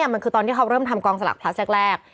มันคือตอนที่เขาเริ่มทำกองสลักพลัสแรก